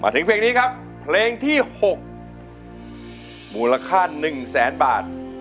ถึงเพลงนี้ครับเพลงที่๖มูลค่า๑แสนบาท